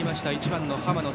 １番の浜野。